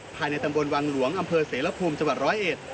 ภายในตำบลวังหลวงอำเภอเสรภูมิจรเอ็ด